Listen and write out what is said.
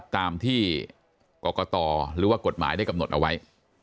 ตามที่กรกตหรือว่ากฎหมายได้กำหนดเอาไว้